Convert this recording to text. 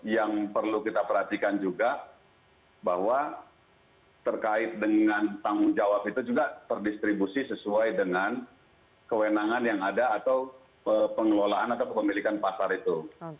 yang perlu kita perhatikan juga bahwa terkait dengan tanggung jawab itu juga terdistribusi sesuai dengan kewenangan yang ada atau pengelolaan atau kepemilikan pasar itu